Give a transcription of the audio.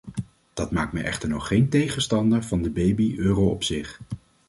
Dat maakt mij echter nog geen tegenstander van de baby euro op zich.